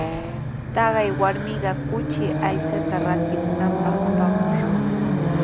Taqay warmiqa kuchi aychata rantikunanpaq apamushqa.